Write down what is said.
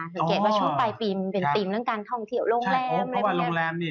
สังเกตว่าช่วงปลายปีมันเป็นธีมเรื่องการท่องเที่ยวโรงแรมอะไรพวกนี้